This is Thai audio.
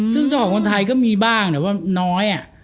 ซึ่งเจ้าของคนไทยก็มีบ้างแต่ว่าน้อย